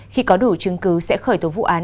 khi có đủ chứng cứ sẽ khởi tố vụ án